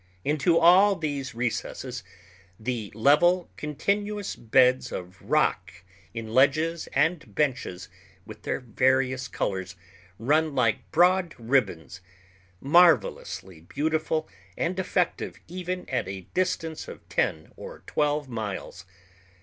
Into all these recesses the level, continuous beds of rock in ledges and benches, with their various colors, run like broad ribbons, marvelously beautiful and effective even at a distance of ten or twelve miles.